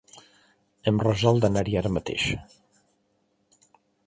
Hem resolt d'anar-hi ara mateix.